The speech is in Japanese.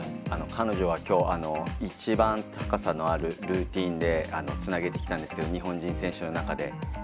彼女は、きょう一番高さのあるルーティンでつなげてきたんですけど日本人選手の中で。